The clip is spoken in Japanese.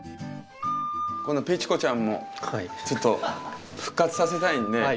このペチュ子ちゃんもちょっと復活させたいんで。